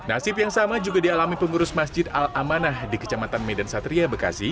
nasib yang sama juga dialami pengurus masjid al amanah di kecamatan medan satria bekasi